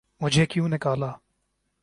''مجھے کیوں نکالا‘‘۔